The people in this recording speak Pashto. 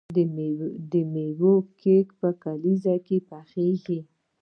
د میوو کیک په کلیزو کې پخیږي.